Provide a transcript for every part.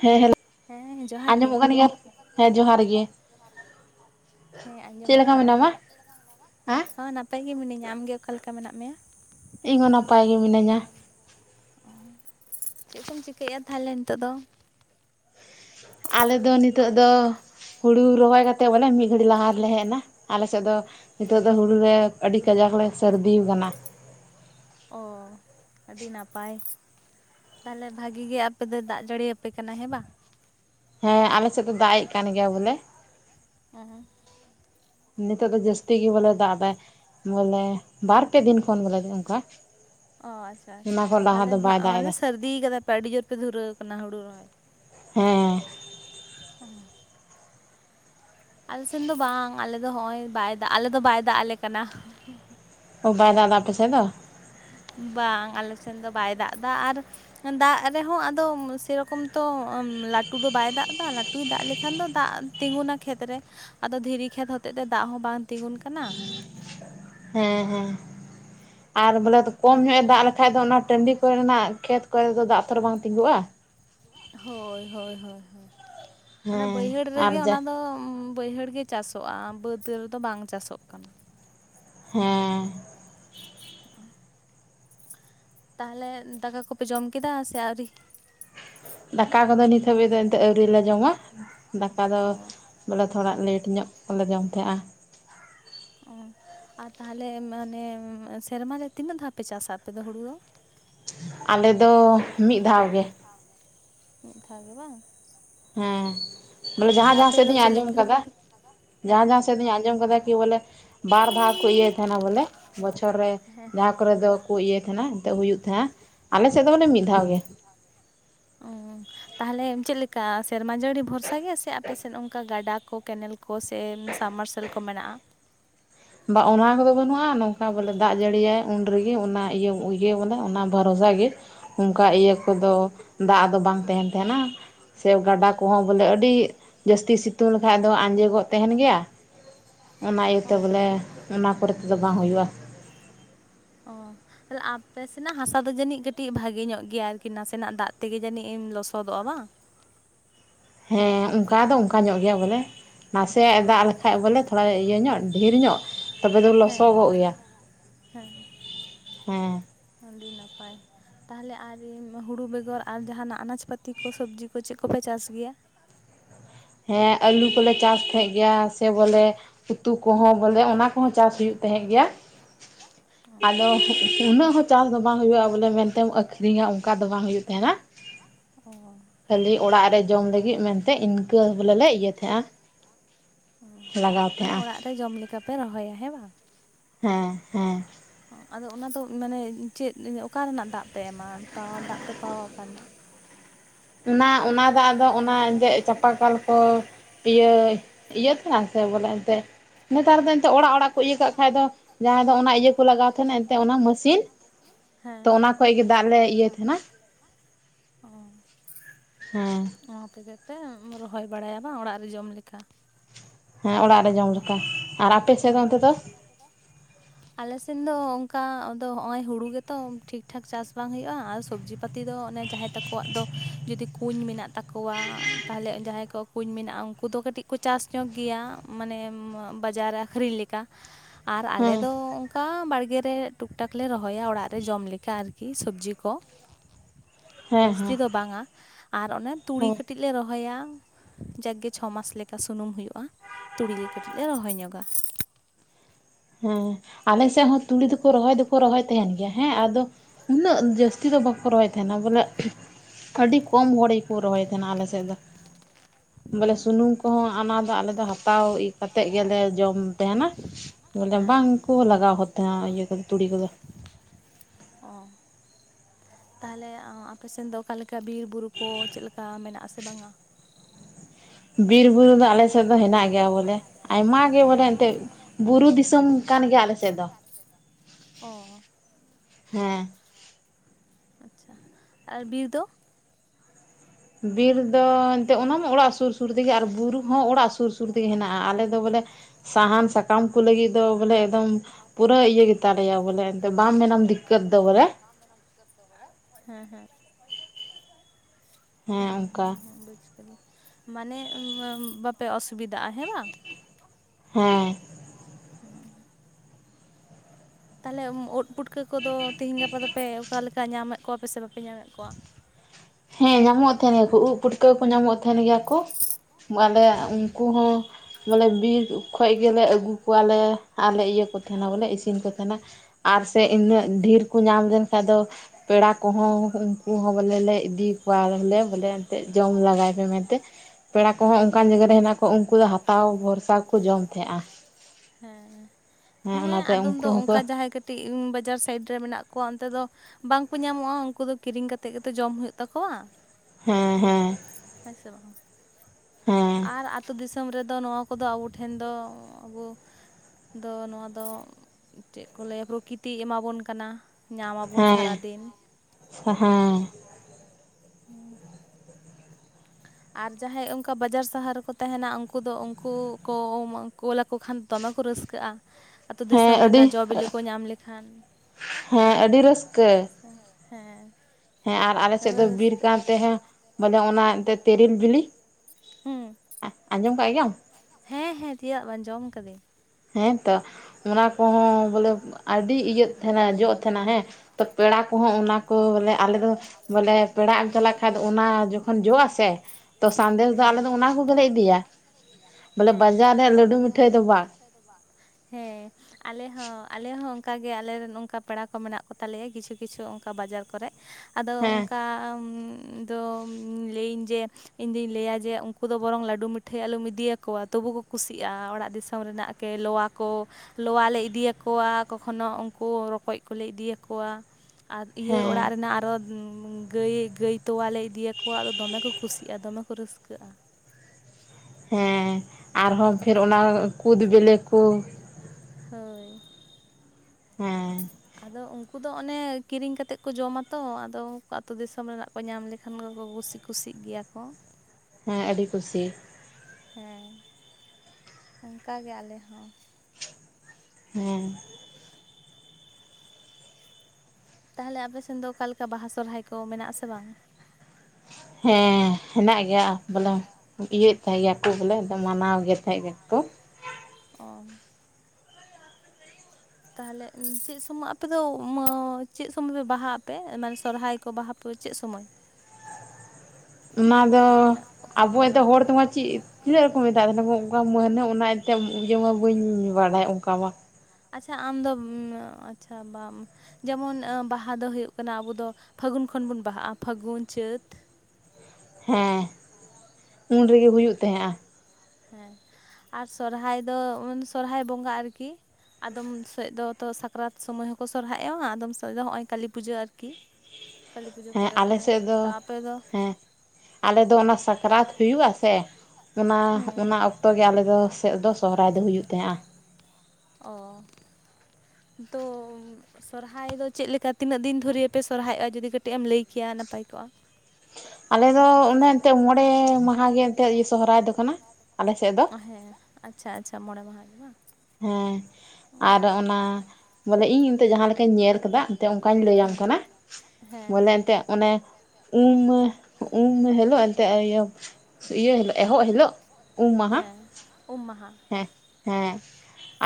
ᱦᱮᱸ ᱦᱮᱞᱳ ᱦᱮᱸ ᱡᱚᱦᱟᱨ ᱜᱮ ᱟᱸᱡᱚᱢᱚᱜ ᱠᱟᱱ ᱜᱮᱭᱟ ᱦᱮᱸ ᱡᱚᱦᱟᱨ ᱜᱮ᱾ ᱦᱮᱸ ᱪᱮᱫ ᱟᱸᱡᱚᱢᱚᱜ ᱞᱮᱠᱟ ᱠᱟᱱᱟ ᱢᱮᱱᱟᱢᱟ ᱪᱮᱫ ᱞᱮᱠᱟ ᱢᱮᱱᱟᱢᱟ ᱦᱮᱸ ᱦᱚᱸ ᱱᱟᱯᱼᱼ ᱯᱟᱭ ᱜᱤ ᱢᱤᱱᱟᱹᱧᱟ ᱟᱢᱜᱮ ᱚᱠᱟ ᱞᱮᱠᱟ ᱢᱮᱱᱟᱜ ᱢᱮᱭᱟ? ᱤᱧ ᱦᱚᱸ ᱱᱟᱯᱟᱭ ᱜᱮ ᱢᱤᱱᱟᱹᱧᱟ᱾ ᱪᱮᱜ ᱠᱚᱢ ᱪᱤᱠᱟᱹᱭᱮᱜᱼᱟ ᱛᱟᱦᱚᱞᱮ ᱱᱤᱛᱚᱜ ᱫᱚ? ᱟᱞᱮ ᱫᱚ ᱱᱤᱛᱚᱜ ᱫᱚᱼᱼ ᱦᱩᱲᱩ ᱨᱚᱦᱚᱭ ᱠᱟᱛᱮᱜ ᱵᱚᱞᱮ ᱢᱤᱜ ᱜᱷᱟᱹᱲᱤᱡ ᱞᱟᱦᱟ ᱨᱮᱞᱮ ᱦᱮᱜ ᱱᱟ ᱟᱞᱮᱥᱮᱫ ᱫᱚᱼᱼ ᱱᱤᱛᱚᱜ ᱫᱚ ᱦᱩᱲᱩᱨᱮ ᱟᱹᱰᱤ ᱠᱟᱡᱟᱠ ᱞᱮ ᱥᱟᱨᱫᱤᱣ ᱠᱟᱱᱟ᱾ ᱚᱻ ᱟᱹᱰᱤ ᱱᱟᱯᱟᱭ᱾ ᱛᱟᱦᱚᱞᱮ ᱵᱷᱟᱜᱤ ᱜᱮ ᱟᱯᱮ ᱫᱚ ᱫᱟᱜ ᱡᱟᱹᱲᱤᱭᱟᱯᱮ ᱠᱟᱱᱟᱭ ᱦᱮᱸ ᱵᱟᱝ? ᱦᱮᱸ ᱟᱞᱮ ᱥᱮᱜ ᱫᱚ ᱫᱟᱜ ᱮᱜ ᱠᱟᱱ ᱜᱮᱭᱟ ᱵᱚᱞᱮ᱾ ᱦᱮᱸ ᱱᱤᱛᱚᱜ ᱫᱚ ᱡᱟᱹᱥᱛᱤ ᱜᱮ ᱵᱚᱞᱮ ᱫᱟᱜ ᱫᱟᱭ ᱵᱚᱞᱮᱼᱼ ᱵᱟᱨ ᱯᱮ ᱫᱤᱱ ᱠᱷᱚᱱ ᱵᱚᱞᱮ ᱚᱱᱠᱟ ᱚ ᱚᱱᱟ ᱠᱷᱚᱱ ᱞᱟᱦᱟ ᱫᱚ ᱵᱟᱭ ᱫᱟᱜ ᱮᱫᱟ᱾ ᱤᱫᱤ ᱠᱟᱫᱟ ᱯᱮ ᱟᱹᱰᱤ ᱡᱳᱨ ᱯᱮ ᱫᱷᱩᱨᱟᱹᱣ ᱠᱟᱱᱟ ᱦᱩᱲᱩ ᱨᱚᱦᱚᱭ᱾ ᱦᱮᱸ ᱚᱸ ᱟᱞᱮ ᱥᱮᱱ ᱫᱚ ᱵᱟᱝ ᱟᱞᱮ ᱫᱚ ᱦᱚᱜᱼᱚᱭ ᱵᱟᱭ ᱫᱟᱜ ᱟᱞᱮ ᱫᱚ ᱵᱟᱭ ᱫᱟᱜ ᱟᱞᱮ ᱠᱟᱱᱟ᱾ ᱚ ᱵᱟᱭ ᱫᱟᱜ ᱫᱟ ᱟᱯᱮᱥᱮᱫ ᱫᱚ? ᱵᱟᱝ ᱟᱞᱮ ᱥᱮᱱ ᱫᱚ ᱵᱟᱭ ᱫᱟᱜ ᱫᱟ ᱟᱨᱼᱼ ᱫᱟᱜ ᱨᱮᱦᱚᱸ ᱟᱫᱚ ᱥᱮᱨᱚᱠᱚᱢ ᱛᱚ ᱞᱟᱹᱴᱩ ᱫᱚ ᱵᱟᱭ ᱫᱟᱜ ᱫᱟ ᱞᱟᱹᱴᱩᱭ ᱫᱟᱜ ᱞᱮᱠᱷᱟᱱ ᱫᱚ ᱫᱟᱜᱼᱼ ᱛᱤᱸᱜᱩᱱᱟ ᱠᱷᱮᱛ ᱨᱮ ᱟᱫᱚ ᱫᱷᱤᱨᱤ ᱠᱷᱮᱛ ᱦᱚᱛᱮᱜ ᱛᱮ ᱫᱟᱜ ᱦᱚᱸ ᱵᱟᱝ ᱛᱤᱸᱜᱩᱱ ᱠᱟᱱᱟ᱾ ᱦᱮᱸ ᱦᱮᱸ ᱟᱨ ᱵᱚᱞᱮᱼᱼ ᱠᱚᱢ ᱧᱚᱜ ᱦᱚᱭᱛᱳ ᱮ ᱫᱟᱜ ᱞᱮᱠᱷᱟᱡ ᱫᱚ ᱚᱱᱟ ᱴᱟᱺᱰᱤ ᱠᱚᱨᱮᱱᱟᱜ ᱠᱷᱮᱛ ᱠᱚᱨᱮ ᱫᱚ ᱫᱟᱜ ᱛᱚᱨ ᱟᱨ ᱵᱟᱝ ᱛᱤᱸᱜᱩᱜᱼᱟ᱾ ᱦᱳᱭ ᱦᱳᱭ ᱦᱳᱭ ᱦᱳᱭ ᱚᱱᱟ ᱦᱮᱸ ᱵᱟᱹᱭᱦᱟᱹᱲ ᱟᱨ ᱨᱮᱜᱮ ᱡᱟ ᱚᱱᱟ ᱫᱚᱼᱼ ᱵᱟᱹᱭᱦᱟᱹᱲ ᱜᱮ ᱪᱟᱥᱚᱜᱼᱟ ᱵᱟᱹᱫ ᱨᱮᱫᱚ ᱵᱟᱝ ᱪᱟᱥᱚᱜ ᱠᱟᱱᱟ᱾ ᱦᱮᱸ [unintelligible] ᱛᱟᱦᱚᱞᱮ ᱫᱟᱠᱟ ᱠᱚᱯᱮ ᱡᱚᱢ ᱠᱮᱫᱟ ᱥᱮ ᱟᱹᱣᱨᱤ? ᱫᱟᱠᱟ ᱠᱚᱫᱚ ᱱᱤᱛ ᱦᱟᱹᱵᱤᱡ ᱫᱚ ᱮᱱᱛᱮ ᱟᱹᱣᱨᱤᱞᱮ ᱡᱚᱢᱟ ᱫᱟᱠᱟ ᱫᱚᱼᱼ ᱚ ᱵᱚᱞᱮ ᱛᱷᱚᱲᱟ ᱞᱮᱴ ᱧᱚᱜ ᱫᱚᱞᱮ ᱡᱚᱢ ᱛᱟᱦᱮᱜᱼᱟ᱾ ᱚ ᱟᱨ ᱛᱟᱦᱚᱞᱮ ᱢᱟᱱᱮ ᱥᱮᱨᱢᱟ ᱨᱮ ᱛᱤᱱᱟᱹᱜ ᱫᱷᱟᱣ ᱯᱮ ᱪᱟᱥᱟ ᱟᱯᱮ ᱫᱚ ᱦᱩᱲᱩ ᱫᱚ? ᱟᱞᱮᱼᱼ ᱟᱞᱮ ᱫᱚ ᱢᱤᱫ ᱫᱷᱟᱣ ᱜᱮ ᱢᱤᱫ ᱫᱷᱟᱣ ᱜᱮ ᱵᱟᱝ ᱚ ᱦᱮᱸ ᱡᱟᱦᱟᱸ ᱛᱟᱦᱚᱞᱮ ᱡᱟᱦᱟᱸ ᱟᱯᱮ ᱥᱮᱫ ᱫᱚ ᱤᱧ ᱪᱮᱫ ᱟᱸᱡᱚᱢ ᱞᱮᱠᱟ ᱟᱠᱟᱫᱟᱼᱼ ᱡᱟᱦᱟ ᱦᱮᱸ ᱡᱟᱦᱟ ᱥᱮᱫ ᱤᱧ ᱟᱸᱡᱚᱢ ᱠᱟᱫᱟ ᱠᱤ ᱵᱚᱞᱮ ᱵᱟᱨ ᱫᱷᱟᱣ ᱠᱚ ᱤᱭᱟᱹᱭ ᱛᱟᱦᱮᱱᱟ ᱵᱚᱞᱮ ᱵᱚᱪᱷᱚᱨ ᱨᱮ ᱦᱮᱸ ᱾ ᱡᱟᱦᱟᱸ ᱠᱚᱨᱮ ᱫᱚ ᱠᱚ ᱤᱭᱟᱹᱭ ᱛᱟᱦᱮᱸᱱᱟ ᱮᱱᱛᱜ ᱦᱩᱭᱩᱜ ᱛᱟᱦᱮᱸᱱᱟ ᱟᱞᱮᱥᱮᱫ ᱫᱚ ᱢᱟᱱᱮ ᱢᱤᱫ ᱫᱷᱟᱣ ᱜᱮ᱾ ᱚ ᱛᱟᱦᱚᱞᱮ ᱪᱮᱫ ᱞᱮᱠᱟ ᱥᱮᱨᱢᱟ ᱡᱟᱹᱲᱤ ᱵᱷᱚᱨᱥᱟ? ᱥᱟᱜᱮ ᱥᱮ ᱟᱯᱮᱥᱮᱫ ᱚᱱᱠᱟ ᱜᱟᱰᱟ ᱠᱚ ᱠᱮᱱᱮᱞ ᱠᱚ ᱥᱮ ᱥᱟᱵᱢᱟᱨᱥᱟᱞ ᱠᱚ ᱢᱮᱱᱟᱜᱼᱟ? ᱵᱟ ᱚᱱᱟ ᱠᱚᱫᱚ ᱵᱟᱹᱱᱩᱜᱼᱟ ᱱᱚᱝᱠᱟ ᱵᱚᱞᱮᱼᱼ ᱫᱟᱜ ᱡᱟᱹᱲᱤᱭᱟᱭ ᱩᱱ ᱨᱮᱜᱮ ᱚᱱᱟ ᱤᱭᱟᱹ ᱤᱭᱟᱹ ᱚᱱᱟ ᱵᱷᱚᱨᱥᱟ ᱜᱮᱼᱼ ᱚᱱᱠᱟ ᱤᱭᱟᱹ ᱠᱚᱫᱚ ᱫᱟᱜ ᱫᱚ ᱵᱟᱝ ᱛᱟᱦᱮᱱ ᱛᱟᱦᱮᱱᱟ᱾ ᱥᱮ ᱜᱟᱰᱟ ᱠᱚᱦᱚᱸ ᱵᱚᱞᱮ ᱟᱹᱰᱤ ᱡᱟᱹᱥᱛᱤ ᱥᱤᱛᱩᱝ ᱞᱮᱠᱷᱟᱡ ᱫᱚ ᱟᱸᱡᱮᱫᱚᱜᱼᱼ ᱛᱟᱦᱮᱱ ᱜᱮᱭᱟ ᱚᱱᱟ ᱚ ᱤᱭᱟᱹᱛᱮ ᱵᱚᱞᱮ ᱚᱱᱟ ᱠᱚᱨᱮ ᱛᱮᱫᱚ ᱵᱟᱝ ᱦᱩᱭᱩᱜᱼᱟ᱾ ᱚ ᱟᱯᱮ ᱥᱮᱱᱟᱜ ᱦᱟᱥᱟ ᱫᱚ ᱡᱟᱹᱱᱤᱡ ᱠᱟᱹᱴᱤᱡ ᱵᱷᱟᱜᱮ ᱧᱚᱜ ᱜᱮᱭᱟ ᱟᱨᱠᱤ ᱱᱟᱥᱮᱱᱟᱜ ᱫᱟᱜ ᱛᱮᱜᱮ ᱡᱟᱹᱱᱤᱡ ᱞᱚᱥᱚᱫᱚᱜᱼᱟ ᱵᱟᱝ? [unintelligible] ᱦᱮᱸ ᱚᱱᱠᱟ ᱫᱚ ᱚᱱᱠᱟ ᱧᱚᱜ ᱜᱮᱭᱟ ᱵᱚᱞᱮ ᱱᱟᱥᱮᱭᱟᱜ ᱫᱟᱜ ᱦᱳᱭ ᱞᱮᱠᱟᱱ ᱵᱚᱞᱮᱼᱼ ᱛᱷᱚᱲᱟ ᱤᱭᱟᱹ ᱧᱚᱜ ᱰᱷᱮᱨ ᱧᱚᱜ ᱛᱚᱵᱮ ᱫᱚ ᱦᱮᱸ ᱞᱚᱥᱚᱜᱚᱜ ᱜᱮᱭᱟ ᱦᱮᱸ ᱦᱮᱸ ᱟᱹᱰᱤ ᱱᱟᱯᱟᱭ ᱛᱟᱦᱚᱞᱮ ᱟᱨ ᱦᱩᱲᱩ ᱵᱮᱜᱚᱨ ᱟᱨ ᱡᱟᱦᱟᱱᱟᱜ ᱟᱱᱟᱡᱽ ᱯᱟᱹᱛᱤ ᱠᱚ ᱥᱚᱵᱽᱡᱤ ᱠᱚ ᱪᱮᱫ ᱠᱚᱯᱮ ᱪᱟᱥ ᱜᱮᱭᱟ? ᱦᱮᱸ ᱟᱹᱞᱩ ᱠᱚᱞᱮ ᱪᱟᱹᱥ ᱛᱟᱦᱮᱸᱫ ᱜᱮᱭᱟ ᱥᱮ ᱵᱚᱞᱮᱼᱼ ᱩᱛᱩ ᱠᱚᱦᱚᱸ ᱵᱚᱞᱮ ᱚᱱᱟ ᱠᱚᱦᱚᱸ ᱪᱟᱥ ᱦᱩᱭᱩᱜ ᱛᱟᱦᱮᱸᱫ ᱜᱮᱭᱟ ᱟᱫᱚᱼᱼ ᱩᱱᱟᱹᱜ ᱦᱚᱸ ᱪᱟᱥ ᱫᱚ ᱵᱟᱝ ᱦᱩᱭᱩᱜᱼᱟ ᱵᱚᱞᱮ ᱢᱮᱱᱛᱮᱢ ᱟᱹᱠᱷᱨᱤᱧᱟ ᱚᱱᱠᱟ ᱫᱚ ᱵᱟᱝ ᱦᱩᱭᱩᱜ ᱛᱟᱦᱮᱱᱟ, ᱚ ᱠᱷᱟᱹᱞᱤ ᱚᱲᱟᱜ ᱨᱮ ᱡᱚᱢ ᱞᱟᱹᱜᱤᱫ ᱢᱮᱱᱛᱮ ᱤᱱᱠᱟᱹ ᱵᱚᱞᱮ ᱞᱮ ᱤᱭᱟᱹᱛᱮᱼᱼ ᱞᱟᱜᱟᱣ ᱢᱟᱱᱮ ᱛᱟᱦᱮᱸᱜᱼᱟ ᱚᱲᱟᱜ ᱨᱮ ᱡᱚᱢ ᱞᱮᱠᱟ ᱯᱮ ᱨᱚᱦᱚᱭᱟ ᱦᱮᱸ ᱵᱟᱝ? ᱦᱮᱸ ᱦᱮᱸ ᱟᱫᱚ ᱚᱱᱟ ᱫᱚ ᱢᱟᱱᱮ ᱪᱮᱫ ᱚᱠᱟ ᱨᱮᱱᱟᱜ ᱫᱟᱜ ᱯᱮ ᱮᱢᱟ ᱯᱟᱣᱟ ᱫᱟᱜ ᱯᱮ ᱯᱟᱣᱟ ᱚᱠᱟ ᱨᱮᱱᱟᱜ? ᱚᱱᱟ ᱚᱱᱟ ᱫᱟᱜ ᱫᱚ ᱚᱱᱟ ᱟᱸᱡᱮᱫ ᱪᱟᱸᱯᱟ ᱠᱟᱞ ᱠᱚᱼᱼ ᱤᱭᱟᱹ ᱤᱭᱟᱹ ᱠᱟᱱᱟ ᱥᱮ ᱵᱚᱞᱮ ᱮᱱᱛᱮᱫ ᱱᱮᱛᱟᱨ ᱫᱚ ᱱᱮᱛᱮ ᱚᱲᱟᱜ ᱚᱲᱟᱜ ᱠᱚ ᱤᱭᱟᱹ ᱠᱟᱜ ᱠᱷᱟ ᱫᱚ ᱡᱟᱦᱟᱸᱭ ᱫᱚ ᱚᱱᱟ ᱤᱭᱟᱹᱼᱼ ᱠᱚ ᱞᱟᱜᱟᱣ ᱛᱟᱦᱮᱸᱱᱟ ᱮᱱᱛᱮᱫ ᱚᱱᱟ ᱢᱮᱥᱤᱱ ᱦᱮᱸ ᱛᱚ ᱚᱱᱟ ᱠᱷᱚᱡ ᱜᱮ ᱫᱟᱜ ᱞᱮ ᱤᱭᱟᱹᱭ ᱛᱟᱦᱮᱸᱱᱟ, ᱚᱻ ᱦᱮᱸ ᱚᱱᱟ ᱛᱮᱜᱮ ᱯᱮ ᱨᱚᱦᱚᱭ ᱵᱟᱲᱟᱭᱟ ᱚᱲᱟᱜ ᱨᱮ ᱡᱚᱢ ᱞᱮᱠᱟ? ᱦᱮᱸ ᱚᱲᱟᱜ ᱨᱮ ᱡᱚᱢ ᱞᱮᱠᱟ ᱟᱨ ᱟᱯᱮ ᱥᱮᱫ ᱫᱚ ᱚᱱᱛᱮ ᱫᱚ ᱴᱮ ᱟᱞᱮ ᱥᱮᱫ ᱫᱚ ᱚᱱᱠᱟ ᱱᱚᱜ ᱚᱭ ᱦᱩᱲᱩ ᱜᱮᱛᱚ ᱴᱷᱤᱠ ᱴᱷᱟᱠ ᱪᱟᱥ ᱵᱟᱝ ᱦᱩᱭᱩᱜᱼᱟ ᱟᱨ ᱥᱚᱵᱽᱡᱤ ᱯᱟ ᱯᱟᱹᱛᱤ ᱫᱚ ᱚᱱᱮ ᱡᱟᱦᱟᱭ ᱛᱟᱠᱚᱣᱟᱜ ᱫᱚᱼᱼ ᱡᱩᱫᱤ ᱠᱩᱧ ᱢᱮᱱᱟᱜ ᱛᱟᱠᱚᱣᱟ ᱛᱟᱦᱞᱮ ᱡᱟᱦᱟᱸᱭ ᱠᱚᱣᱟᱜ ᱠᱩᱧ ᱢᱮᱱᱟᱜᱼᱟ ᱩᱱᱠᱩ ᱫᱚ ᱠᱟᱹᱴᱤᱡ ᱠᱚ ᱪᱟᱥ ᱧᱚᱜ ᱜᱮᱭᱟ᱾ ᱢᱟᱱᱮ ᱵᱟᱡᱟᱨ ᱨᱮ ᱟᱹᱠᱷᱨᱤᱧ ᱞᱮᱠᱟ ᱟᱨ ᱟᱞᱮ ᱦᱮᱸ ᱫᱚ᱾ ᱚᱱᱠᱟ ᱵᱟᱲᱜᱮ ᱨᱮ ᱴᱩᱠ ᱴᱟᱠ ᱞᱮ ᱨᱚᱦᱚᱭᱟ ᱚᱲᱟᱜ ᱨᱮ ᱡᱚᱢ ᱞᱮᱠᱟ ᱟᱨᱠᱤ ᱥᱚᱵᱡᱤ ᱠᱚ, ᱦᱮᱸ ᱡᱟᱹᱥᱛᱤ ᱦᱮᱸ ᱫᱚ ᱵᱟᱝᱼᱟ ᱟᱨ ᱚᱱᱮ ᱛᱩᱲᱤ ᱦᱮᱸ ᱠᱟᱹᱴᱤᱡᱼᱼ ᱞᱮ ᱨᱚᱦᱚᱭᱟ, ᱡᱟᱜᱮ ᱪᱷᱚ ᱢᱟᱥ ᱞᱮᱠᱟ ᱥᱩᱱᱩᱢ ᱦᱩᱭᱩᱜᱼᱟ᱾ ᱛᱩᱲᱤ ᱠᱟᱹᱴᱤᱡ ᱞᱮ ᱨᱚᱦᱚᱭ ᱧᱚᱜᱼᱟ᱾ ᱦᱮᱸ ᱟᱞᱮ ᱥᱮᱫ ᱦᱚᱸ ᱛᱩᱲᱤ ᱫᱚᱠᱚ ᱨᱚᱦᱚᱭ ᱫᱚᱠᱚ ᱨᱚᱦᱚᱭ ᱛᱟᱦᱮᱸᱱ ᱜᱮᱭᱟ ᱦᱮᱸ ᱟᱫᱚᱼᱼ ᱩᱱᱟᱹᱜ ᱡᱟᱹᱥᱛᱤ ᱫᱚ ᱵᱟᱠᱚ ᱨᱚᱦᱚᱭ ᱛᱟᱦᱮᱸᱱᱟ ᱵᱚᱞᱮ ᱟᱹᱰᱤ ᱠᱚᱢ ᱦᱚᱲ ᱜᱮᱠᱚ ᱨᱚᱦᱚᱭ ᱛᱟᱦᱮᱸᱱᱟ ᱟᱞᱮᱥᱮᱫ ᱫᱚ᱾ ᱚ ᱵᱚᱞᱮ ᱥᱩᱱᱩᱢ ᱠᱚᱦᱚᱸ ᱚᱱᱟ ᱫᱚ ᱟᱞᱮ ᱫᱚ ᱦᱟᱛᱟᱣ ᱠᱟᱛᱮᱜ ᱜᱮᱞᱮ ᱡᱚᱢ ᱛᱟᱦᱮᱸᱱᱟ᱾ ᱵᱚᱞᱮ ᱦᱮᱸ ᱵᱟᱝᱠᱚ ᱞᱟᱜᱟᱣᱮᱫ ᱛᱟᱦᱮᱸᱱᱟ ᱤᱭᱟᱹ ᱠᱚᱫᱚ ᱛᱩᱲᱤ ᱠᱚᱫᱚ᱾ ᱚ ᱛᱟᱦᱚᱞᱮ ᱟᱯᱮᱥᱮᱱ ᱫᱚ ᱚᱠᱟ ᱞᱮᱠᱟ ᱵᱤᱨ ᱵᱩᱨᱩ ᱠᱚ ᱪᱮᱫ ᱞᱮᱠᱟ ᱢᱮᱱᱟᱜ ᱟᱥᱮ ᱵᱟᱝᱟ? ᱵᱤᱨ ᱵᱩᱨᱩ ᱫᱚ [inaudible] ᱟᱞᱮ ᱵᱤᱨ ᱥᱮᱫ ᱵᱩᱨᱩ ᱫᱚ ᱟᱞᱮ ᱦᱮᱱᱟᱜ ᱥᱮᱫ ᱜᱮᱭᱟ ᱫᱚ ᱵᱚᱞᱮ ᱦᱮᱱᱟᱜ ᱜᱮᱭᱟ ᱵᱚᱞᱮ ᱟᱭᱢᱟ ᱜᱮ ᱟᱭᱢᱟ ᱮᱱᱛᱮᱫ ᱜᱮ ᱵᱚᱞᱮ ᱮᱱᱛᱮᱫ ᱵᱩᱨᱩ ᱫᱤᱥᱚᱢ ᱵᱩᱨᱩ ᱠᱟᱱ ᱫᱤᱥᱚᱢᱼᱼ ᱜᱮᱭᱟ ᱟᱞᱮ ᱥᱮᱫ [unintelligible] ᱫᱚ ᱜᱮᱭᱟ ᱟᱞᱮᱥᱮᱫ ᱢᱟ᱾ ᱚ ᱦᱮᱸ ᱟᱪᱪᱷᱟ ᱟᱨ ᱵᱤᱨ ᱫᱚ? ᱵᱤᱨ ᱫᱚ ᱮᱱᱛᱮᱫ ᱚᱱᱟ ᱢᱟ ᱚᱲᱟᱜ ᱥᱩᱨ ᱥᱩᱨ ᱛᱮᱜᱮ ᱟᱨ ᱵᱩᱨᱩ ᱦᱚᱸ ᱚᱲᱟᱜ ᱥᱩᱨ ᱥᱩᱨ ᱛᱮᱜᱮ ᱦᱮᱱᱟᱜᱼᱟ ᱟᱞᱮ ᱫᱚ ᱵᱚᱞᱮᱼᱼ ᱥᱟᱦᱟᱱ ᱥᱟᱠᱟᱢ ᱠᱩ ᱞᱟᱹᱜᱤᱫ ᱫᱚ ᱵᱚᱞᱮ ᱮᱠᱫᱚᱢ ᱯᱩᱨᱟᱹ ᱤᱭᱟᱹ ᱜᱮᱛᱟᱞᱮᱭᱟ ᱵᱚᱞᱮ ᱵᱟᱢ ᱢᱮᱱᱟᱢ ᱫᱤᱠᱠᱟᱹᱛ ᱫᱚ ᱵᱚᱞᱮ, ᱦᱮᱸ ᱦᱮᱸ ᱦᱮᱸ ᱦᱮᱸ ᱦᱮᱸ ᱵᱩᱡᱽ ᱠᱮᱫᱼᱟᱹᱧ᱾ ᱢᱟᱱᱮ ᱵᱟᱯᱮ ᱚᱥᱩᱵᱤᱫᱟᱜᱼᱟ ᱦᱮᱸ ᱵᱟᱝ? ᱦᱮᱸ ᱦ [unintelligible] ᱛᱟᱦᱚᱞᱮ ᱩᱫ ᱯᱩᱴᱠᱟᱹ ᱠᱚᱫᱚ ᱛᱤᱦᱤᱧ ᱜᱟᱯᱟ ᱫᱚᱯᱮ ᱚᱠᱟ ᱞᱮᱠᱟ ᱧᱟᱢᱮᱫ ᱠᱚᱣᱟ ᱯᱮ ᱥᱮ ᱵᱟᱯᱮ ᱧᱟᱢᱮᱫ ᱠᱚᱣᱟ? ᱦᱮᱸ ᱧᱟᱢᱚᱜ ᱛᱟᱦᱮᱸᱱ ᱜᱮᱭᱟ ᱠᱚ ᱩᱫ ᱯᱩᱴᱠᱟᱹ ᱠᱚ ᱧᱟᱢᱚᱜ ᱛᱟᱦᱮᱸᱱ ᱜᱮᱭᱟ ᱠᱩ᱾ ᱟᱞᱮᱭᱟᱜ ᱩᱱᱠᱩ ᱦᱚᱸ ᱵᱚᱞᱮ ᱵᱤᱨ ᱠᱷᱚᱡ ᱜᱮᱞᱮ ᱟᱹᱜᱩ ᱠᱚᱣᱟ ᱞᱮ ᱟᱨᱞᱮ ᱤᱭᱟᱹ ᱠᱚ ᱛᱟᱦᱮᱸᱱᱟ ᱵᱚᱞᱮ ᱤᱥᱤᱱ ᱠᱚ ᱛᱟᱦᱮᱸᱱᱟ᱾ ᱟᱨ ᱥᱮ ᱦᱮᱸ ᱤᱱᱟᱹᱜ ᱰᱷᱮᱨ ᱠᱚ ᱧᱟᱢ ᱞᱮᱱ ᱠᱷᱟᱱ ᱫᱚ ᱯᱮᱲᱟ ᱠᱚᱦᱚᱸ ᱩᱱᱠᱩ ᱦᱚᱸ ᱵᱟᱞᱮ ᱫᱤᱯ [unintelligible] ᱠᱚᱣᱟ ᱞᱮ ᱵᱚᱞᱮ ᱮᱱᱛᱮᱫ ᱡᱚᱢ ᱞᱮᱜᱟᱭ ᱯᱮ ᱢᱮᱱᱛᱮ, ᱯᱮᱲᱟ ᱠᱚᱦᱚᱸ ᱦᱮᱸ ᱚᱱᱠᱟᱱ ᱡᱟᱭᱜᱟ ᱨᱮ ᱦᱮᱱᱟᱜ ᱠᱚᱣᱟ ᱩᱱᱠᱩ ᱫᱚ ᱦᱟ ᱛᱟᱣ ᱵᱷᱚᱨᱥᱟ ᱠᱚ ᱡᱚᱢ ᱛᱟᱦᱮᱸᱜᱼᱟ᱾ ᱦᱮᱸ, ᱦᱮᱸ ᱚᱱᱟᱛᱮ ᱟᱫᱚᱢ ᱩᱱᱠᱩ ᱫᱚ ᱦᱚᱸᱠᱚ ᱚᱱᱠᱟ ᱡᱟᱦᱟᱸᱭ ᱠᱟᱹᱴ ᱼᱴᱤᱡ ᱵᱟᱡᱟᱨ ᱥᱟᱭᱤᱰ ᱨᱮ ᱢᱮᱱᱟᱜ ᱠᱚᱣᱟ ᱚᱱᱛᱮ ᱫᱚ᱾ ᱵᱟᱝᱠᱚ ᱧᱟᱢᱚᱜᱼᱟ, ᱩᱱᱠᱩ ᱫᱚ ᱠᱤᱨᱤᱧ ᱠᱟᱛᱮᱜ ᱜᱮᱛᱚ ᱡᱚᱢ ᱦᱩᱭᱩᱜ ᱛᱟᱠᱚᱣᱟ᱾ ᱦᱮᱸ ᱦᱮᱸ ᱦᱮᱸ ᱥᱮ ᱵᱟᱝᱼᱟ ᱦᱮᱸ ᱟᱨ ᱟᱛᱳ ᱫᱤᱥᱚᱢ ᱨᱮᱫᱚ ᱱᱚᱣᱟ ᱠᱚᱫᱚ ᱟᱵᱚ ᱴᱷᱮᱱ ᱫᱚ ᱟᱵᱚ ᱫᱚ ᱱᱚᱣᱟ ᱫᱚ, ᱪᱮᱫ ᱠᱚ ᱞᱟᱹᱭᱟ ᱯᱨᱚᱠᱤᱛᱤᱭ ᱮᱢᱟ ᱵᱚᱱ ᱠᱟᱱᱟ᱾ ᱧᱟᱢ ᱟᱵᱚᱱ ᱥᱟᱨᱟ ᱫᱤᱱ᱾ ᱥᱟᱦᱟᱸᱭ [unintelligible] ᱟᱨ ᱡᱟᱦᱟᱸᱭ ᱚᱱᱠᱟ ᱵᱟᱡᱟᱨ ᱥᱟᱦᱟᱨ ᱨᱮᱠᱚ ᱛᱟᱦᱮᱸᱱᱟ ᱩᱱᱠᱩ ᱫᱚ ᱩᱱᱠᱩ ᱠᱚ ᱠᱳᱞ ᱟᱠᱚ ᱠᱷᱟᱱ ᱫᱚᱢᱮ ᱠᱚ ᱨᱟᱹᱥᱠᱟᱹᱜᱼᱟ᱾ ᱟᱛᱳ ᱦᱮᱸ ᱫᱤᱥᱚᱢ ᱟᱹᱰᱤ ᱨᱮᱱᱟᱜ ᱡᱚ ᱵᱤᱞᱤ ᱠᱚ ᱧᱟᱢ ᱞᱮᱠᱷᱟᱱ- ᱦᱮᱸ ᱟᱹᱰᱤ ᱨᱟᱹᱥᱠᱟᱹ [unintelligible] ᱦᱮᱸ ᱦᱮᱸ ᱟᱨ ᱟᱞᱮ ᱥᱮᱫ ᱫᱚᱢᱮ ᱠᱚ ᱫᱚ ᱵᱤᱨ ᱨᱟᱹᱥᱠᱟᱹᱜᱼᱟ ᱠᱟᱱ ᱛᱮ ᱦᱚᱸ ᱵᱚᱞᱮ ᱚᱱᱟ ᱮᱱᱛᱮᱜ ᱛᱮᱨᱮᱞ ᱵᱤᱞᱤ᱾ ᱦᱮᱸ ᱟᱸᱡᱚᱢ ᱠᱟᱜ ᱜᱮᱭᱟᱢ? ᱦᱮᱸ ᱦᱮᱸ ᱛᱤᱭᱟᱜ ᱵᱟᱝ ᱡᱚᱢ ᱟᱠᱟᱫᱟᱹᱧ᱾ ᱦᱮᱸᱛᱚ, ᱚᱱᱟ ᱠᱚᱦᱚᱸ ᱵᱚᱞᱮ ᱟᱹᱰᱤ ᱤᱭᱟᱹᱜ ᱛᱟᱦᱮᱸᱱᱟ ᱡᱚᱜ ᱛᱟᱦᱮᱸᱱᱟ ᱦᱮᱸ᱾ ᱛᱚ ᱯᱮᱲᱟ ᱠᱚᱦᱚᱸ ᱚᱱᱟ ᱠᱚ ᱵᱚᱞᱮ ᱟᱞᱮ ᱫᱚ ᱵᱚᱞᱮ ᱯᱮᱲᱟᱜ ᱮᱢ ᱪᱟᱞᱟᱜ ᱠᱷᱟᱡ ᱚᱱᱟ ᱛᱚᱠᱷᱚᱱ ᱡᱚᱜ ᱟᱥᱮ ᱛᱚ ᱥᱟᱸᱫᱮᱥ ᱫᱚ ᱦᱮᱸ ᱟᱞᱮ ᱫᱚ ᱚᱱᱟ ᱠᱚᱜᱮᱞᱮ ᱤᱫᱤᱭᱟ᱾ ᱵᱚᱞᱮ ᱦᱮᱸ, ᱵᱟᱡᱟᱨ ᱨᱮᱭᱟᱜ ᱚᱱᱟ ᱞᱟᱹᱰᱩ ᱵᱟᱡᱟᱨ ᱢᱤᱴᱷᱟᱹᱭ ᱨᱮᱭᱟᱜ ᱫᱚ ᱞᱟᱹᱰᱩ ᱵᱟᱝ ᱠᱷᱟᱡ ᱫᱚ ᱵᱟᱝ, ᱦᱮᱸ᱾ ᱟᱞᱮ ᱦᱚᱸ ᱟᱞᱮ ᱦᱚᱸ ᱚᱱᱠᱟ ᱜᱮ ᱟᱞᱮᱨᱮᱱ ᱚᱱᱠᱟ ᱯᱮᱲᱟ ᱠᱚ ᱢᱮᱱᱟᱜ ᱠᱚ ᱛᱟᱞᱮᱭᱟ ᱠᱤᱪᱷᱩ ᱠᱤᱪᱷᱩ ᱚᱱᱠᱟ ᱵᱟᱡᱟᱨ ᱠᱚᱨᱮ᱾ ᱟᱫᱚ ᱦᱮᱸ ᱚᱱᱠᱟ ᱫᱚ ᱞᱟᱹᱭᱟᱹᱧ ᱡᱮ ᱤᱧ ᱫᱩᱧ ᱞᱟᱹᱭᱟ ᱡᱮ ᱩᱱᱠᱩ ᱫᱚ ᱵᱚᱨᱚᱝ ᱞᱟᱹᱰᱩ ᱢᱤᱴᱷᱟᱹ ᱟᱞᱚᱢ ᱤᱫᱤ ᱟᱠᱚᱣᱟ ᱛᱚᱵᱩ ᱠᱚ ᱠᱩᱥᱤᱜᱼᱟ ᱚᱲᱟᱜ ᱫᱤᱥᱚᱢ ᱨᱮᱱᱟᱜ ᱞᱚᱣᱟ ᱠᱚ ᱞᱚᱣᱟ ᱞᱮ ᱤᱫᱤ ᱟᱠᱚᱣᱟ, ᱠᱚᱠᱷᱚᱱᱳ ᱩᱱᱠᱩ ᱨᱚᱠᱚᱡ ᱠᱚᱞᱮ ᱤᱫᱤ ᱟᱠᱚᱣᱟ᱾ ᱟᱨ ᱤᱭᱟᱹ ᱦᱮᱸ ᱚᱲᱟᱜ ᱨᱮᱱᱟᱜ ᱟᱨᱚ ᱜᱟᱹᱭ ᱜᱟᱹᱭ ᱛᱚᱣᱟ ᱞᱮ ᱤᱫᱤ ᱟᱠᱚᱣᱟ ᱟᱫᱚ ᱫᱚᱢᱮ ᱠᱚ ᱠᱩᱥᱤᱜᱼᱟ, ᱫᱚᱢᱮ ᱠᱚ ᱨᱟᱹᱥᱠᱟᱹᱜᱼᱟ᱾ ᱦᱮᱸ, ᱟᱨᱦᱚᱸ ᱯᱷᱮᱨ ᱚᱱᱟ ᱠᱩᱫ ᱵᱤᱞᱤ ᱠᱚ ᱦᱳᱭ ᱦᱮᱸ ᱟᱫᱚ ᱩᱱᱠᱩ ᱫᱚ ᱚᱱᱮ ᱠᱤᱨᱤᱧ ᱠᱟᱛᱮᱫ ᱠᱚ ᱡᱚᱢᱟ ᱛᱚ, ᱟᱫᱚ ᱟᱛᱳ ᱫᱤᱥᱚᱢ ᱨᱮᱱᱟᱜ ᱧᱟᱢ ᱞᱮᱠᱷᱟᱱ ᱜᱮ ᱠᱚ ᱠᱩᱥᱤ ᱠᱩᱥᱤᱜ ᱜᱮᱭᱟ ᱠᱚ᱾ ᱦᱮᱸ ᱟᱹᱰᱤ ᱠᱩᱥᱤ᱾ ᱦᱮᱸ, ᱚᱱᱠᱟ ᱜᱮ ᱟᱞᱮ ᱦᱚᱸ᱾ ᱦᱩᱸ ᱛᱟᱦᱚᱞᱮ ᱟᱯᱮ ᱥᱮᱱ ᱫᱚ ᱚᱠᱟ ᱞᱮᱠᱟ ᱵᱟᱦᱟ ᱥᱚᱦᱨᱟᱭ ᱠᱚ ᱢᱮᱱᱟᱜ-ᱟ ᱥᱮ ᱵᱟᱝ? ᱦᱮᱸ ᱦᱮᱱᱟᱜ ᱜᱮᱭᱟ ᱵᱚᱞᱮ᱾ ᱤᱭᱟᱹᱭᱮᱫ ᱛᱟᱦᱮᱸ ᱜᱮᱭᱟ ᱠᱚ ᱵᱚᱞᱮ ᱟᱫᱚ ᱢᱟᱱᱟᱣ ᱜᱮ ᱛᱟᱦᱮᱸ ᱜᱮᱠᱚ [unintelligible] ᱚᱸ ᱛᱟᱦᱚᱞᱮ ᱪᱮᱫ ᱥᱚᱢᱚᱭ ᱟᱯᱮ ᱪᱮᱫ ᱥᱚᱢᱚᱭ ᱯᱮ ᱵᱟᱦᱟᱜ ᱟᱯᱮ ᱢᱟᱱᱮ ᱥᱚᱨᱦᱟᱭ ᱠᱚ ᱵᱟᱦᱟ ᱛᱚ ᱪᱮᱫ ᱥᱚᱢᱚᱭ? ᱚᱱᱟ ᱫᱚ ᱢᱟᱱᱮ ᱚᱠᱟ ᱟᱵᱚ ᱵᱚᱸᱜᱟ ᱮᱛᱚᱫ ᱦᱚᱲ ᱛᱮ ᱢᱚᱸᱡᱽ ᱪᱮᱫ ᱛᱤᱱᱟᱹᱜ ᱨᱚᱠᱚᱢ ᱢᱮᱛᱟᱜ ᱛᱟᱦᱮᱱᱟ ᱚᱱᱠᱟ ᱢᱟᱹᱦᱱᱟᱹ ᱚᱱᱟ ᱮᱱᱛᱮᱫ ᱤᱭᱟᱹ ᱢᱟ ᱵᱟᱹᱧ ᱵᱟᱲᱟᱭ ᱚᱱᱠᱟ ᱢᱟ᱾ ᱟᱪᱪᱷᱟ ᱟᱢᱫᱚ ᱟᱪᱪᱷᱟ ᱵᱟᱢ ᱡᱮᱢᱚᱱ ᱵᱟᱦᱟ ᱫᱚ ᱦᱩᱭᱩᱜ ᱠᱟᱱᱟ ᱟᱵᱚ ᱫᱚ ᱯᱷᱟᱹᱜᱩᱱ ᱠᱷᱚᱱ ᱵᱚᱱ ᱵᱟᱦᱟᱜᱼᱟ᱾ ᱯᱷᱟᱹᱜᱩᱱ, ᱪᱟᱹᱛ, ᱦᱮᱸ ᱩᱱ ᱨᱮᱜᱮ ᱦᱩᱭᱩᱜ ᱛᱟᱦᱮᱸᱜᱼᱟ᱾ ᱦᱮᱸ ᱟᱨ ᱥᱚᱨᱦᱟᱭ ᱫᱚ‌ ᱩᱱ ᱥᱚᱨᱦᱟᱭ ᱵᱚᱸᱜᱟ ᱟᱨ ᱠᱤ᱾ ᱟᱫᱚᱢ ᱥᱮᱫ ᱫᱚ ᱛᱚ ᱥᱟᱠᱨᱟᱛ ᱥᱚᱢᱚᱭ ᱦᱚᱸᱠᱚ ᱥᱚᱨᱦᱟᱭᱚᱜᱼᱟ, ᱟᱫᱚᱢ ᱥᱮᱫ ᱫᱚ ᱦᱚᱸᱜᱼᱚᱭ ᱠᱟᱹᱞᱤ ᱯᱩᱡᱟᱹ ᱟᱨᱠᱤ᱾ ᱠᱟᱹᱞᱤ ᱯᱩᱡᱟᱹ ᱦᱮᱸ ᱯᱚᱨᱮ ᱟᱞᱮ ᱯᱚᱨᱮ ᱥᱮᱫ ᱫᱚ ᱛᱚ ᱟᱯᱮ ᱫᱚ ᱦᱮᱸ ᱟᱞᱮ ᱫᱚ ᱚᱱᱟ ᱥᱟᱠᱨᱟᱛ ᱦᱩᱭᱩᱜ-ᱟ ᱥᱮ ᱚᱱᱟ ᱦᱩᱸ ᱚᱱᱟ ᱚᱠᱛᱚ ᱜᱮ ᱟᱞᱮ ᱫᱚ ᱥᱮᱫ ᱫᱚ ᱥᱚᱦᱨᱟᱭ ᱫᱚ ᱦᱩᱭᱩᱜ ᱛᱟᱦᱮᱸᱫᱼᱟ᱾ ᱚ ᱛᱚ ᱥᱚᱨᱦᱟᱭ ᱫᱚ ᱪᱮᱫ ᱞᱮᱠᱟ ᱛᱤᱱᱟᱹᱜ ᱫᱤᱱ ᱫᱷᱚᱨᱮ ᱯᱮ ᱥᱚᱨᱦᱟᱭᱚᱜᱼᱟ, ᱡᱩᱫᱤ ᱠᱟᱹᱴᱤᱡ ᱮᱢ ᱞᱟᱹᱭ ᱠᱮᱭᱟ ᱱᱟᱯᱟᱭ ᱠᱚᱜᱼᱟ᱾ ᱟᱞᱮ ᱫᱚ ᱚᱱᱮ ᱮᱱᱛᱮᱫ ᱢᱚᱬᱮ ᱢᱟᱦᱟᱸ ᱜᱮ ᱮᱱᱛᱮᱫ ᱥᱚᱦᱨᱟᱭ ᱫᱚ ᱠᱟᱱᱟ ᱟᱞᱮᱥᱮᱫ ᱫᱚ᱾ ᱚ ᱦᱮᱸ ᱟᱪᱪᱷᱟ ᱟᱪᱪᱷᱟ ᱢᱚᱬᱮ ᱢᱟᱦᱟᱸ ᱜᱮ ᱵᱟᱝ᱾ ᱦᱮᱸ ᱟᱨ ᱚᱱᱟ ᱢᱟᱱᱮ ᱤᱧ ᱚᱱᱛᱮ ᱡᱟᱦᱟᱸ ᱞᱮᱠᱟᱧ ᱧᱮᱞ ᱠᱟᱫᱟ᱾ ᱛᱮ ᱚᱱᱠᱟᱧ ᱞᱟᱹᱭᱟᱢ ᱦᱮᱸ ᱠᱟᱱᱟ᱾ ᱦᱮᱸ ᱵᱚᱞᱮ ᱮᱱᱛᱮᱫ ᱚᱱᱮ ᱩᱢ ᱩᱢ ᱦᱤᱞᱳᱜ ᱮᱱᱛᱫ ᱤᱭᱟᱹ ᱦᱤᱞᱳᱜ ᱮᱦᱚᱵ ᱦᱤᱞᱳᱜ ᱩᱢ ᱢᱟᱦᱟ ᱦᱮᱸ ᱩᱢ ᱢᱟᱦᱟ ᱦᱮᱸ ᱦᱮᱸ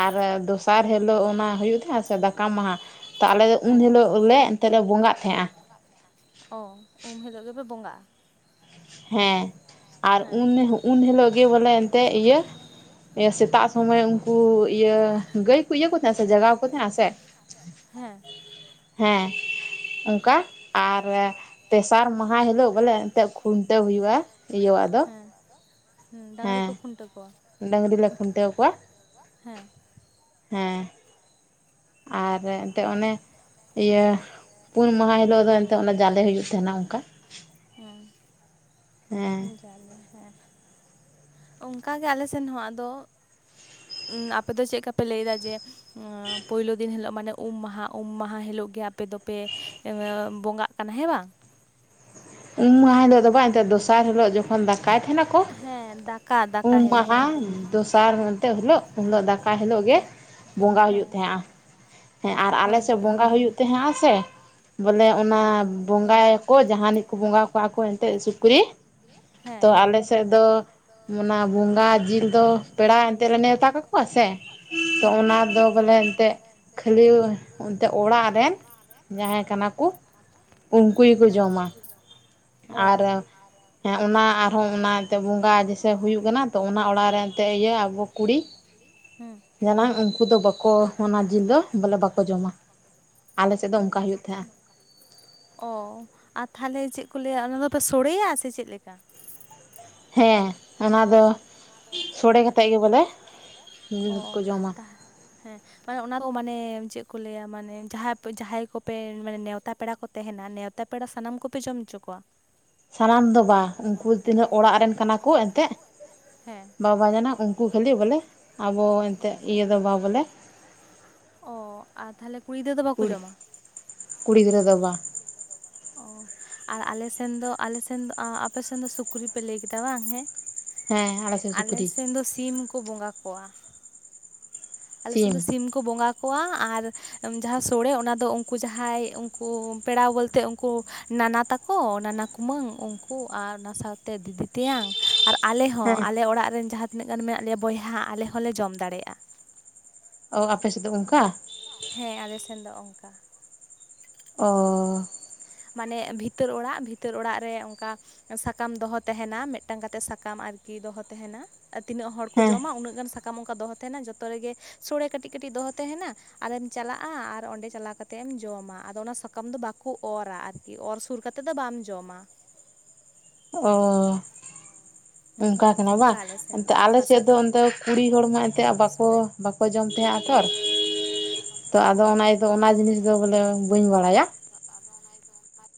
ᱟᱨ ᱫᱚᱥᱟᱨ ᱦᱤᱞᱳᱜ ᱚᱱᱟ ᱦᱩᱭᱩᱜ ᱛᱟᱦᱮᱸᱫ ᱥᱮ ᱫᱟᱠᱟ ᱢᱟᱦᱟᱸ ᱛᱚ ᱟᱞᱮᱫ ᱫᱚ ᱩᱱ ᱦᱮᱸ ᱦᱤᱞᱳᱜ ᱞᱮ ᱮᱱᱛᱮᱫ ᱞᱮ ᱵᱚᱸᱜᱟᱜ ᱛᱟᱦᱮᱸᱜᱼᱟ᱾ ᱚ ᱩᱢ ᱦᱤᱞᱳᱜ ᱜᱮᱯᱮ ᱵᱚᱸᱜᱟᱜᱼᱟ᱾ ᱦᱮᱸ ᱟᱨ ᱦᱮᱸ ᱩᱱ ᱩᱱ ᱦᱤᱞᱳᱜ ᱜᱮ ᱵᱚᱞᱮ ᱮᱱᱛᱫ ᱤᱭᱟᱹ ᱥᱮᱛᱟᱜ ᱥᱚᱢᱚᱭ ᱩᱱᱠᱩ ᱤᱭᱟᱹ ᱜᱟᱹᱭ ᱠᱚ ᱤᱭᱟᱹ ᱠᱚ ᱛᱟᱦᱮᱸᱫ ᱥᱮ ᱡᱟᱜᱟᱣ ᱠᱚ ᱛᱟᱦᱮᱸᱫ ᱥᱮ᱾ ᱦᱮᱸ ᱦᱮᱸ ᱚᱱᱠᱟ ᱟᱨ ᱛᱮᱥᱟᱨ ᱢᱟᱦᱟᱸ ᱦᱤᱞᱳᱜ ᱵᱚᱞᱮ ᱮᱱᱛᱮᱫ ᱛᱟᱹᱣ ᱦᱩᱭᱩᱜᱼᱟ ᱤᱭᱟᱹᱣᱟᱜ ᱫᱚ᱾ ᱦᱮᱸ ᱦᱮᱸ ᱰᱟᱝᱨᱤ ᱠᱚ ᱠᱷᱩᱱᱴᱟᱹᱣ ᱠᱚᱣᱟ᱾ ᱰᱟᱹᱝᱨᱤ ᱞᱮ ᱠᱷᱩᱱᱴᱟᱹᱣ ᱠᱚᱣᱟ᱾ ᱦᱮᱸ ᱦᱮᱸ ᱟᱨ ᱮᱱᱛᱮᱫ ᱚᱱᱮ ᱤᱭᱟᱹ ᱯᱩᱱ ᱢᱟᱦᱟᱸ ᱦᱤᱞᱳᱜ ᱫᱚ ᱮᱱᱛᱮ ᱚᱱᱟ ᱡᱟᱞᱮ ᱦᱩᱭᱩᱜ ᱛᱟᱦᱮᱱᱟ ᱚᱱᱠᱟ᱾ ᱦᱮᱸ ᱦᱮᱸ ᱡᱟᱞᱮ ᱦᱮᱸ ᱚᱱᱠᱟᱜᱮ ᱟᱞᱮ ᱥᱮᱱ ᱦᱚᱸ ᱟᱫᱚ, ᱟᱯᱮ ᱫᱚ ᱪᱮᱫ ᱞᱮᱠᱟᱯᱮ ᱞᱟᱹᱭᱫᱟ ᱡᱮ, ᱚᱸ ᱯᱩᱭᱞᱩ ᱫᱤᱱ ᱦᱤᱞᱳᱜ ᱢᱟᱱᱮ ᱩᱢ ᱢᱟᱦᱟᱸ, ᱩᱢ ᱢᱟᱦᱟᱸ ᱦᱤᱞᱳᱜ ᱜᱮ ᱟᱯᱮ ᱫᱚᱯᱮ ᱮᱻ ᱵᱚᱸᱜᱟᱜ ᱠᱟᱱᱟ ᱦᱮᱸ ᱵᱟᱝ᱾ ᱩᱢ ᱢᱟᱦᱟ ᱦᱤᱞᱳᱜ ᱵᱟᱝ ᱮᱱᱛᱮᱫ ᱫᱚᱥᱟᱨ ᱦᱤᱞᱚᱜ ᱡᱚᱠᱷᱚᱱ ᱫᱟᱠᱟᱭ ᱛᱟᱦᱮᱸ ᱱᱟᱠᱚ ᱦᱮᱸ ᱫᱟᱠᱟ ᱫᱟᱠᱟ ᱩᱢ ᱦᱤᱞᱳᱜ ᱦᱳᱭ ᱢᱟᱦᱟᱸ ᱫᱚᱥᱟᱨ ᱚᱱᱛᱮᱫ ᱦᱤᱞᱚᱜ ᱩᱱᱤᱞᱳᱜ ᱫᱟᱠᱟ ᱦᱤᱞᱚᱜ ᱜᱮ ᱵᱚᱸᱜᱟ ᱦᱩᱭᱩᱜ ᱦᱮᱸ ᱛᱟᱦᱮᱸᱜᱼᱟ᱾ ᱦᱮᱸ ᱟᱨ ᱟᱞᱮ ᱦᱳᱭ ᱥᱮᱫ ᱦᱳᱭ ᱵᱚᱸᱜᱟ ᱦᱩᱭᱩᱜ ᱛᱟᱦᱮᱸᱜᱼᱟ ᱥᱮ, ᱵᱚᱞᱮ ᱚᱱᱟ ᱦᱮᱸ ᱵᱚᱸᱜᱟ ᱭᱟᱠᱚ ᱡᱟᱦᱟᱱᱤᱜ ᱵᱚᱸᱜᱟ ᱠᱚᱣᱟ ᱠᱚ ᱮᱱᱛᱮ ᱥᱩᱠᱨᱤ᱾ ᱛᱚ ᱦᱮᱸ ᱟᱞᱮ ᱥᱮᱫ ᱫᱚ ᱚᱱᱟ ᱵᱚᱸᱜᱟ ᱡᱤᱞ ᱫᱚ ᱯᱮᱲᱟ ᱮᱱᱛᱮᱫ ᱞᱮ ᱱᱮᱣᱛᱟ ᱠᱟᱠ ᱠᱚᱼᱟ ᱥᱮ ᱛᱚ ᱦᱮᱸ ᱚᱱᱟ ᱫᱚ ᱵᱚᱞᱮ ᱮᱱᱛᱮ ᱠᱷᱟᱹᱞᱤ ᱚᱱᱛᱮ ᱚᱲᱟᱜ ᱨᱮᱱ ᱡᱟᱦᱟᱸᱭ ᱠᱟᱱᱟ ᱠᱚ ᱩᱱᱠᱩ ᱜᱮᱠᱚ ᱦᱮᱸ ᱡᱚᱢᱟ᱾ ᱟᱨ ᱚ ᱦᱮᱸ ᱚᱱᱟ ᱟᱯ ᱦᱚᱸ ᱚᱱᱟᱛᱮᱫ ᱵᱚᱸᱜᱟ ᱡᱮᱥᱮ ᱦᱩᱭᱩᱜ ᱠᱟᱱᱟ ᱛᱚ ᱚᱱᱟ ᱚᱲᱟᱜ ᱨᱮ ᱮᱱᱛᱮᱫ ᱤᱭᱟᱹ ᱟᱵᱚ ᱠᱩᱲᱤ ᱦᱩᱸ ᱡᱟᱱᱟᱝ ᱩᱱᱠᱩ ᱫᱚ ᱵᱟᱠᱚ ᱚᱱᱟ ᱡᱤᱞ ᱫᱚ ᱵᱚᱞᱮ ᱵᱟᱠᱚ ᱡᱚᱢᱟ᱾ ᱟᱞᱮ ᱥᱮᱫ ᱫᱚ ᱦᱩᱸ ᱚᱱᱠᱟ ᱦᱩᱭᱩᱜ ᱛᱟᱦᱮᱸᱜᱼᱟ᱾ ᱚ ᱟᱨ ᱛᱟᱦᱚᱞᱮ ᱪᱮᱫ ᱠᱚ ᱞᱟᱹᱭᱟ᱾ ᱚᱱᱟ ᱫᱚᱯᱮ ᱥᱚᱲᱮᱭᱟ ᱥᱮ ᱪᱮᱫ ᱞᱮᱠᱟ? ᱦᱮᱸ ᱚᱱᱟ ᱫᱚ ᱚᱱᱟ ᱫᱚ ᱥᱚᱲᱮ ᱠᱟᱛᱮᱫ ᱜᱮ ᱵᱚᱞᱮ ᱥᱚᱲᱮ ᱠᱟᱛᱮᱜ ᱜᱮ ᱵᱚᱞᱮ ᱚ ᱠᱚ ᱡᱚᱢᱟ ᱛᱟ ᱦᱮᱸ ᱢᱟᱱᱮ ᱚᱱᱟ ᱫᱚ ᱢᱟᱱᱮ ᱪᱮᱫ ᱠᱚ ᱞᱟᱹᱭᱟ ᱢᱟᱱᱮ ᱡᱟᱦᱟᱸ ᱡᱟᱦᱟᱸᱭ ᱠᱚᱯᱮ ᱢᱟᱱᱮ ᱱᱮᱶᱛᱟ ᱯᱮᱲᱟ ᱠᱚ ᱛᱟᱦᱮᱸᱱᱟ ᱱᱮᱣᱛᱟ ᱯᱮᱲᱟ ᱥᱟᱱᱟᱢ ᱠᱚ ᱯᱮ ᱡᱚᱢ ᱦᱚᱪᱚ ᱠᱚᱣᱟ ᱥᱟᱱᱟᱢ ᱫᱚ ᱵᱟᱝ ᱩᱱᱠᱩ ᱛᱤᱱᱟᱹᱜ ᱚᱲᱟᱜ ᱨᱮᱱ ᱠᱟᱱᱟ ᱠᱚ ᱮᱱ ᱛᱮᱜ ᱦᱮᱸ ᱵᱟᱵᱟ ᱢᱟᱱᱮ ᱩᱱᱠᱩ ᱠᱷᱟᱹᱞᱤ ᱵᱚᱞᱮ ᱟᱵᱚ ᱮᱱ ᱛᱮᱫ ᱤᱭᱟᱹ ᱫᱚ ᱵᱟᱵᱟ ᱵᱚᱞᱮ ᱚ ᱟᱨ ᱛᱟᱦᱞᱮ ᱠᱩᱲᱤ ᱜᱤᱫᱽᱨᱟᱹ ᱫᱚ ᱵᱟᱠᱚ ᱠᱩᱲᱤ ᱡᱚᱢᱟ ᱠᱩᱲᱤ ᱜᱤᱫᱨᱟᱹ ᱫᱚ ᱵᱟᱝ ᱚ ᱟᱨ ᱟᱞᱮᱥᱮᱱ ᱫᱚ ᱟᱞᱮᱥᱮᱱ ᱫᱚ ᱟᱯᱮᱥᱮᱱ ᱫᱚ ᱥᱩᱠᱨᱤ ᱯᱮ ᱞᱟᱹᱭ ᱠᱮᱫᱟ ᱵᱟᱝ ᱦᱮᱸ ᱦᱮᱸ ᱥᱮᱫ ᱟᱞᱮ ᱥᱩᱠᱨᱤ ᱥᱮᱱ ᱫᱚ ᱥᱤᱢ ᱠᱚ ᱵᱚᱸᱜᱟ ᱠᱚᱣᱟ ᱟᱞᱮ ᱥᱮᱫ ᱫᱚ ᱥᱤᱢ ᱠᱚ ᱵᱚᱸᱜᱟ ᱠᱚᱣᱟ ᱟᱨ ᱡᱟᱦᱟᱸ ᱥᱳᱲᱮ ᱚᱱᱟ ᱫᱚ ᱩᱱᱠᱩ ᱡᱟᱦᱟᱸᱭ ᱩᱱᱠᱩ ᱯᱮᱲᱟ ᱵᱚᱞ ᱛᱮ ᱩᱱᱠᱩ ᱱᱟᱱᱟ ᱛᱟᱠᱚ ᱦᱚᱸ ᱱᱟᱱᱟ ᱠᱩᱢᱟᱹᱝ ᱩᱱᱠᱩ ᱟᱨ ᱚᱱᱟ ᱥᱟᱶ ᱛᱮ ᱫᱤᱫᱤ ᱛᱮᱭᱟᱝ ᱟᱨ ᱟᱞᱮ ᱦᱚᱸ ᱦᱮᱸ ᱟᱞᱮ ᱚᱲᱟᱜ ᱨᱮᱱ ᱡᱟᱦᱟᱸ ᱛᱤᱱᱟᱹᱜ ᱜᱟᱱ ᱢᱮᱱᱟᱜ ᱞᱮᱭᱟ ᱵᱚᱭᱦᱟ ᱟᱞᱮ ᱦᱚᱸ ᱞᱮ ᱡᱚᱢ ᱫᱟᱲᱮ ᱭᱟᱜᱼᱟ᱾ ᱚ ᱟᱯᱮ ᱥᱮᱫ ᱫᱚ ᱚᱱᱠᱟ ᱦᱮᱸ ᱟᱞᱮ ᱥᱮᱱ ᱫᱚ ᱚᱱᱠᱟ ᱚᱻ ᱢᱟᱱᱮ ᱵᱷᱤᱛᱟᱹᱨ ᱚᱲᱟᱜ ᱵᱷᱤᱛᱟᱹᱨ ᱚᱲᱟᱜ ᱨᱮ ᱚᱱᱠᱟ ᱥᱟᱠᱟᱢ ᱫᱚ ᱦᱚ ᱛᱟᱦᱮᱸᱱᱟ ᱢᱤᱫ ᱴᱟᱝ ᱠᱟᱛᱮᱜ ᱥᱟᱠᱟᱢ ᱟᱨᱠᱤ ᱫᱚ ᱦᱚ ᱛᱟᱦᱮᱸᱱᱟ᱾ ᱛᱤᱱᱟᱹᱜ ᱦᱚᱲ ᱠᱚ ᱦᱮᱸ ᱡᱚᱢᱟ ᱩᱱᱟᱹᱜ ᱜᱟᱱ ᱥᱟᱠᱟᱢ ᱚᱱᱠᱟ ᱫᱚ ᱦᱚ ᱛᱟᱦᱮᱸᱱᱟ ᱡᱷᱚᱛᱚ ᱨᱮ ᱜᱮ ᱥᱳᱲᱮ ᱠᱟᱹᱴᱤᱡ ᱠᱟᱹᱴᱤᱡ ᱫᱚ ᱦᱚ ᱛᱟᱦᱮᱸᱱᱟ ᱟᱨᱮᱢ ᱪᱟᱞᱟᱜᱼᱟ ᱟᱨ ᱚᱸᱰᱮ ᱪᱟᱞᱟᱣ ᱠᱟᱛᱮᱫ ᱮᱢ ᱡᱚᱢᱟ ᱟᱫᱚ ᱚᱱᱟ ᱥᱟᱠᱟᱢ ᱫᱚ ᱵᱟᱠᱚ ᱚᱨᱟ ᱟᱨᱠᱤ ᱚᱨ ᱥᱩᱨ ᱠᱟᱛᱮ ᱫᱚ ᱵᱟᱢ ᱡᱚᱢᱟ ᱚᱻ ᱚᱱᱠᱟ ᱦᱮᱸ ᱠᱟᱱᱟ ᱵᱟᱝ ᱟᱞᱮ ᱥᱮᱱ ᱮᱱᱛᱮ ᱫᱚ ᱟᱞᱮ ᱥᱮᱫ ᱦᱟᱥᱟ ᱫᱚ ᱴᱩᱠᱩᱡ ᱚᱱᱛᱮ ᱠᱩᱲᱤ ᱦᱚᱲ ᱢᱟ ᱮᱱᱛᱮ ᱨᱮᱠᱚ ᱵᱟ ᱠᱚ ᱥᱳᱲᱮᱭᱟ ᱵᱟᱠᱚ ᱡᱚᱢ ᱛᱟᱦᱮᱸᱜᱼᱟ ᱛᱷᱚᱨ ᱛᱚ ᱟᱫᱚ ᱚᱱᱟ ᱫᱚ ᱚᱱᱟ ᱡᱤᱱᱤᱥ ᱫᱚ ᱵᱚᱞᱮ ᱵᱟᱹᱧ ᱵᱟᱲᱟ ᱭᱟ ᱟᱵᱚ ᱚᱱᱟ [inaudible]